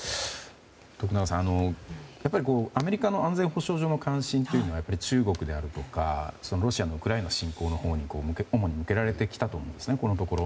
徳永さんアメリカの安全保障上の関心事は中国だとかロシアのウクライナ侵攻のほうに主に向けられていると思うんですね、このところ。